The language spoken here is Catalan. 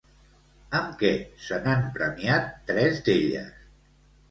Amb què se n'han premiat tres d'elles?